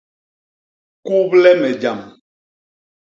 Kuble mut jam.